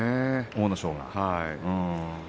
阿武咲は。